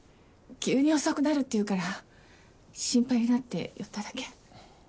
急に遅くなるっていうから心配になって寄っただけ。